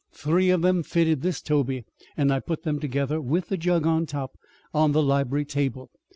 three of them fitted this toby; and I put them together, with the jug on top, on the library table.